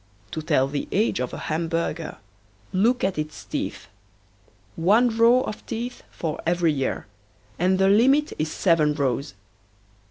To tell the age of a Hamburger look at its teeth. One row of teeth for every year, and the limit is seven rows.